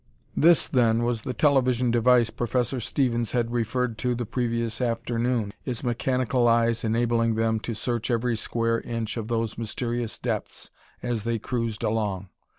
This, then, was the television device Professor Stevens had referred to the previous afternoon, its mechanical eyes enabling then to search every square inch of those mysterious depths, as they cruised along.